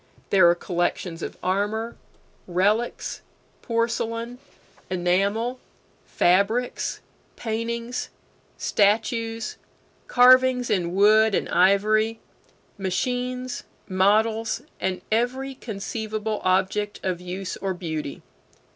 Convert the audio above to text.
There are collections of armor, relics, porcelain, enamel, fabrics, paintings, statues, carvings in wood and ivory, machines, models, and every conceivable object of use or beauty.